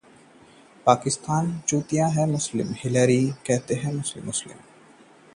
पाकिस्तान के साथ चुनौतीपूर्ण लेकिन महत्वपूर्ण रिश्ते: हिलेरी